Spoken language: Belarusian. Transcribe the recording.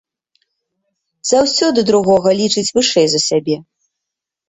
Заўсёды другога лічыць вышэй за сябе.